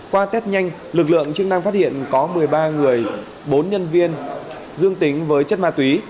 qua test nhanh lực lượng chức năng phát hiện có một mươi ba người bốn nhân viên dương tính với chất ma túy